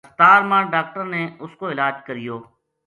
ہسپتال ما ڈاکٹراں نے اس کو علاج کریو